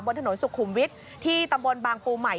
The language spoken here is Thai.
บนถนนสุขุมวิทย์ที่ตำบลบางปูใหม่